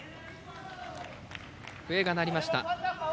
笛が鳴りました。